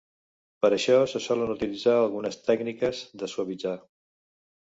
Per això, se solen utilitzar algunes tècniques de suavitzat.